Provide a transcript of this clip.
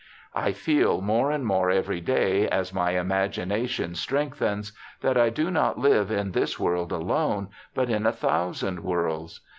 ' I feel more and more every day, as my imagination strengthens, that I do not live in this world alone, but in a thousand worlds.